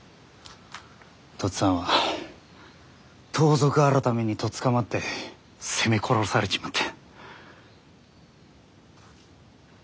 父っつぁんは盗賊改にとっ捕まって責め殺されちまった。